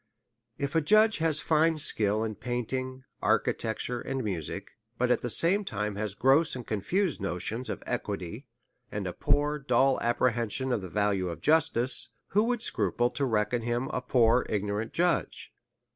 If ajudge had fine skill in painting, architecture, and music, but at the same time had gross and confused notions of equity, and a poor dull apprehension of the value of justice, who would scruple to reckon him a poor igno rant judge?